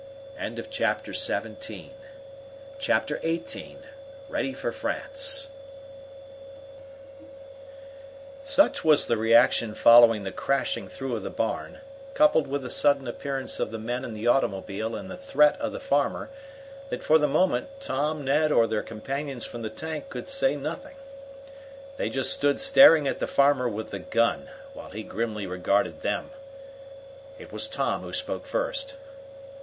Chapter XVIII Ready for France Such was the reaction following the crashing through of the barn, coupled with the sudden appearance of the men in the automobile and the threat of the farmer, that, for the moment, Tom, Ned, or their companions from the tank could say nothing. They just stood staring at the farmer with the gun, while he grimly regarded them. It was Tom who spoke first.